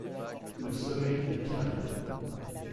Le soleil des Pyramides!